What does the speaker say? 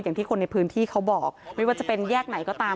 อย่างที่คนในพื้นที่เขาบอกไม่ว่าจะเป็นแยกไหนก็ตาม